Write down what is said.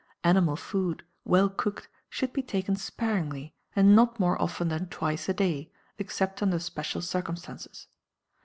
Animal food, well cooked, should be taken sparingly and not more often than twice a day, except under special circumstances.